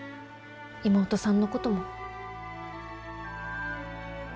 妹さんのことも。